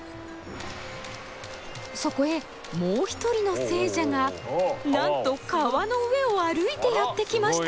そこへもう一人の聖者がなんと川の上を歩いてやって来ました！